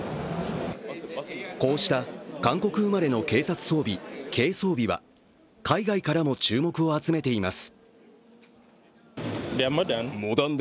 こうした韓国生まれの警察装備、Ｋ装備は海外からも注目を集めています。